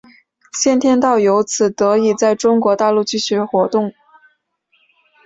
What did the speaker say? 先天道由此得以在中国大陆继续活动。